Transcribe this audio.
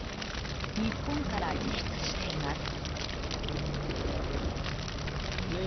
日本から輸出しています。